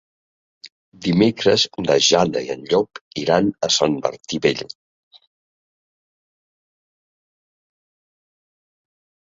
Dimecres na Jana i en Llop iran a Sant Martí Vell.